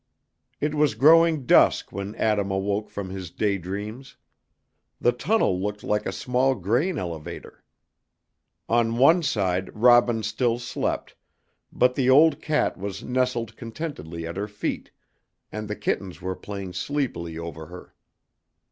It was growing dusk when Adam awoke from his day dreams. The tunnel looked like a small grain elevator. On one side Robin still slept, but the old cat was nestled contentedly at her feet, and the kittens were playing sleepily over her.